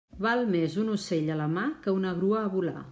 Val més un ocell a la mà que una grua a volar.